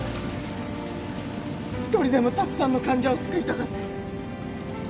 １人でもたくさんの患者を救いたかった